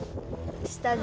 下で。